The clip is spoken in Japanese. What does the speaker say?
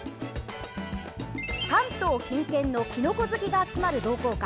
関東近県のきのこ好きが集まる同好会